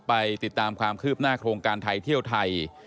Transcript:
ไปติดตามความคืบหน้าโครงการไทยเที่ยวไทย